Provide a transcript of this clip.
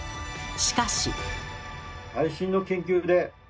しかし。